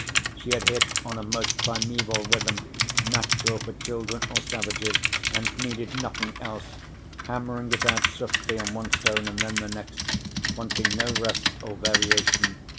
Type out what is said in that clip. She had hit on a most primeval rhythm natural for children or savages and needed nothing else, hammering it out swiftly on one stone and then the next, wanting no rest or variation.